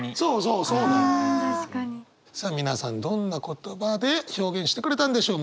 さあ皆さんどんな言葉で表現してくれたんでしょう？